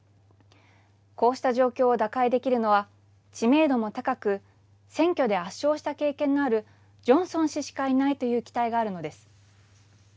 こうした状況を打開できるのは知名度も高く選挙で圧勝した経験のあるジョンソン氏しかいないという期待があるのです。